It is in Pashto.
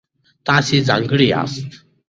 تاسو ځانګړي یاست.